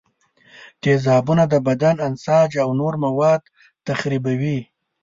تیزابونه د بدن انساج او نور مواد تخریبوي.